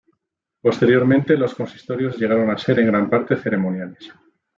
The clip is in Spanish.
Posteriormente, los consistorios llegaron a ser en gran parte ceremoniales.